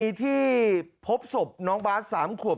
นี่ที่พบสมน้องบ๊านซ์๓ควบ